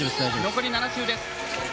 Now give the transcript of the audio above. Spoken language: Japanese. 残り７周です。